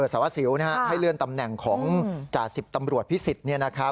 สารวัสสิวให้เลื่อนตำแหน่งของจ่าสิบตำรวจพิสิทธิ์